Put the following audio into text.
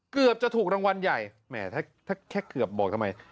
เกือบจะถูกรางวัลใหญ่แหมถ้าแค่เกือบบอกทำไม